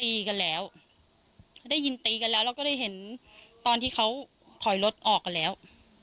ตีกันแล้วได้ยินตีกันแล้วเราก็ได้เห็นตอนที่เขาถอยรถออกกันแล้ว